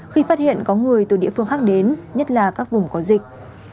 khi phát hiện có người từ địa phương khác đến nhất là các vùng có dịch